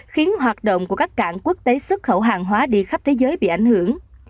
khiến hoạt động của các cảng quốc tế xuất khẩu hàng hóa đi khắp thế giới bị ảnh hưởng